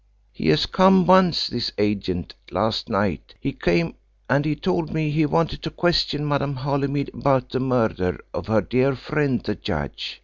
He has come once, this agent last night he came and he told me he wanted to question Madame Holymead about the murder of her dear friend the judge.